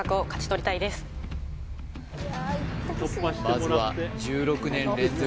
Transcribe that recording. まずは１６年連続